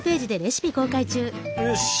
よし！